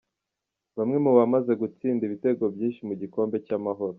Bamwe mu bamaze gutsinda ibitego byinshi mu gikombe cy’Amahoro.